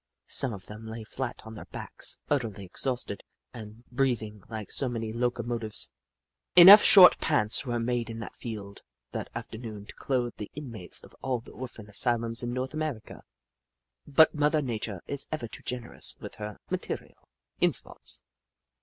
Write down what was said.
Some of them lay flat on their backs, utterly exhaust ed, and breathing like so many locomotives. 154 The Book of Clever Beasts Enough short pants were made in that field that afternoon to clothe the inmates of all the orphan asylums in North America, but Mother Nature is ever too generous with her material — in spots.